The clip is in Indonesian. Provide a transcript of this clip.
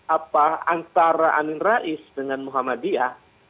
apa antara amin rais dengan muhammadiyah